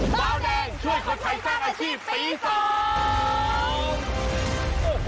เบาแดงช่วยคนไทยสร้างอาชีพปีสอง